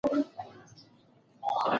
حوصله او زغم د یوه روغ ملت د جوړولو کیلي ده.